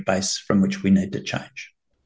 dari mana kita perlu berubah